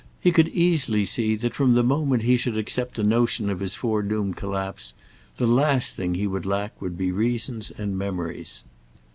He could easily see that from the moment he should accept the notion of his foredoomed collapse the last thing he would lack would be reasons and memories.